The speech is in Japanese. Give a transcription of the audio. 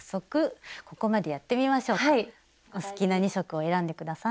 お好きな２色を選んで下さい。